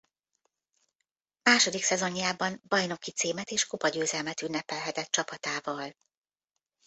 Második szezonjában bajnoki címet és kupagyőzelmet ünnepelhetett csapatával.